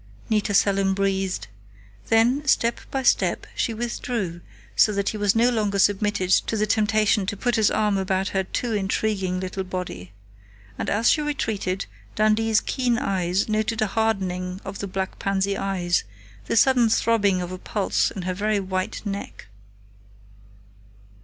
Nita Selim breathed. Than, step by step, she withdrew, so that he was no longer submitted to the temptation to put his arm about her too intriguing little body. And as she retreated, Dundee's keen eyes noted a hardening of the black pansy eyes, the sudden throbbing of a pulse in her very white neck....